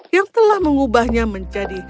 yang telah mengubahnya menjadi